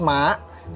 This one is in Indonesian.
sama si kemet